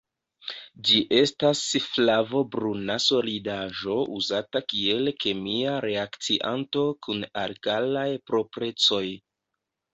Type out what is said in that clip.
Ĝi estas flavo-bruna solidaĵo uzata kiel kemia reakcianto kun alkalaj proprecoj.